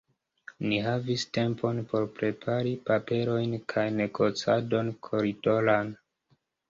Ni havis tempon por prepari paperojn kaj negocadon koridoran.